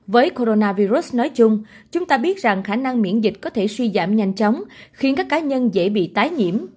với coronavirus nói chung chúng ta biết rằng khả năng miễn dịch có thể suy giảm nhanh chóng khiến các cá nhân dễ bị tái nhiễm